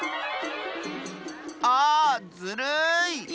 ああずるい！